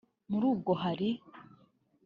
muri bwo hari